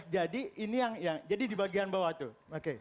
jadi ini yang jadi di bagian bawah tuh